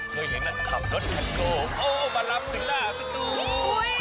เมื่อไหร่มันขับรถกันตัวโอ้มารับศึกษาสิทธิ์